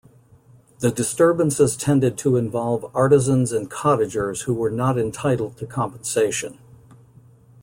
The disturbances tended to involve artisans and cottagers who were not entitled to compensation.